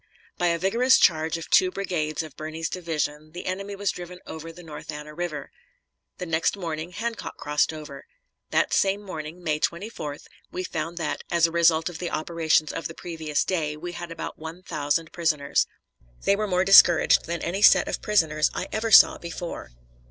By a vigorous charge of two brigades of Birney's division, the enemy was driven over the North Anna River. The next morning Hancock crossed over. That same morning, May 24th, we found that, as a result of the operations of the previous day, we had about one thousand prisoners. They were more discouraged than any set of prisoners I ever saw before.